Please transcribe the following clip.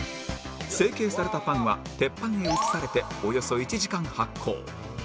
成型されたパンは鉄板に移されておよそ１時間発酵